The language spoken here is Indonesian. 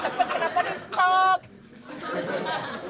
kalau harus cepat kenapa di stok